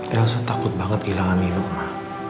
elsa takut banget kehilangan nino ma